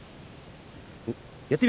やってみる？